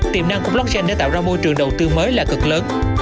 tiềm năng của blockchain để tạo ra môi trường đầu tư mới là cực lớn